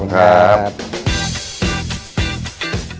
ขอบคุณครับ